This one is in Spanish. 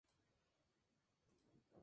Se juega a eliminación directa.